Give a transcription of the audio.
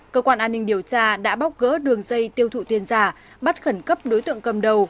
cơ quan an ninh điều tra đã bóc gỡ đường dây tiêu thụ tiền giả bắt khẩn cấp đối tượng cầm đầu